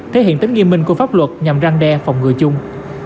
thể hiện tính nghiêm minh của pháp luật nhằm răng đe phòng ngừa chung